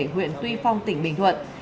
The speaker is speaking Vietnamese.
huyện tuy phong tỉnh bình thuận